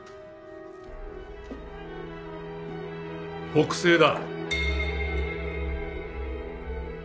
北西だ。